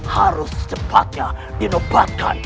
harus secepatnya dinubatkan